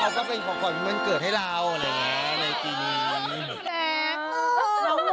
ก็เป็นของขวัญวันเกิดให้เราอะไรอย่างนี้